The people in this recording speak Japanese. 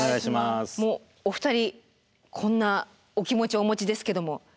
お二人こんなお気持ちをお持ちですけども。